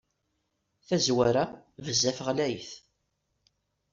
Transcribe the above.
Tazwara, bezzaf ɣlayet.